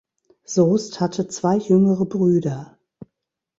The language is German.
Soest hatte zwei jüngere Brüder.